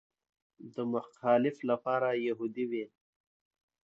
د مخالفت لپاره یهودي وي.